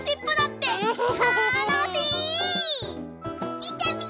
みてみて！